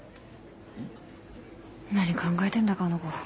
何考えてんだかあの子。